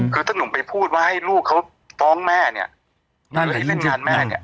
คือถ้าหนุ่มไปพูดว่าให้ลูกเขาฟ้องแม่เนี่ยให้เล่นงานแม่เนี่ย